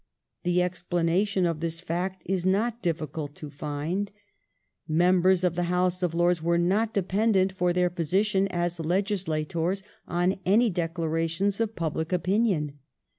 The explanation of this fact is not difficult to find. Members of the House of Lords were not dependent for their position as legislators on any declarations of public opinion.